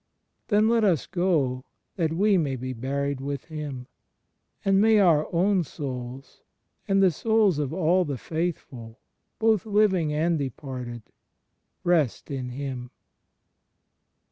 Then let us go, that we may be buried with Him. And may our own souls, and the souls of all the faithful, both living and departed, rest in Him